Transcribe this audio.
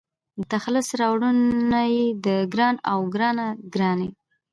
د تخلص راوړنه يې د --ګران--او --ګرانه ګراني